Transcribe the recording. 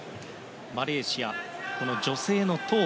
マレーシア女性のトー